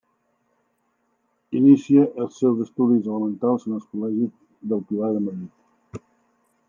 Inicia els seus estudis elementals en el Col·legi del Pilar de Madrid.